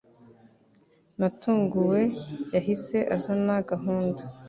Natunguwe, yahise azana gahunda.